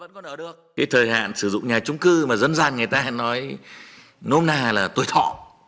cái thời hạn sử dụng nhà trung cư mà dân gian người ta nói nôm na là tuổi thọ